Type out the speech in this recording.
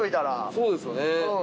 そうですよね。